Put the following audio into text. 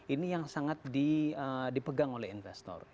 ini yang sangat dipegang oleh investor